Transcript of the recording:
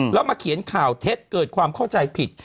แล้วมาเขียนข่าวเท็จเกิดความเข้าใจผิด